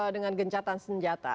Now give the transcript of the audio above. dengan gencatan senjata